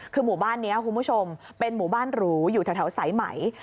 คือหมู่บ้านนี้คุณผู้ชมเป็นหมู่บ้านหรูอยู่แถวสายไหม